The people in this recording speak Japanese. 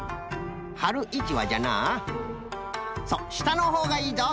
はるいちはじゃなそうしたのほうがいいぞ。